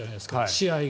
試合が。